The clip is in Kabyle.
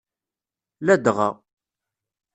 Ladɣa.